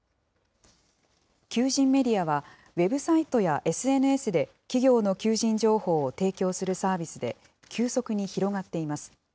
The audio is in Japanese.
求人メディアは、ウェブサイトやＳＮＳで企業の求人情報を提供するサービスで、急速に広がっています。